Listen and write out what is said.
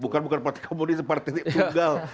bukan bukan partai komunis partai tunggal